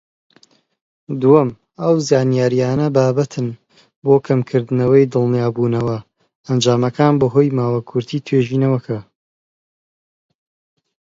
دووەم، ئەو زانیاریانە بابەتن بۆ کەمکردنی دڵنیابوونەوە ئەنجامەکان بەهۆی ماوە کورتی توێژینەوەکە.